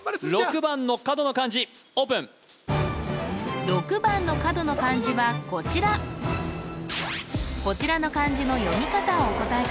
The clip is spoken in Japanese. ６番の角の漢字オープン６番の角の漢字はこちらこちらの漢字の読み方をお答え